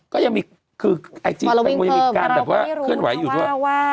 ก็ยังมีคือไอจีเป็นกว่ายังมีการแบบว่า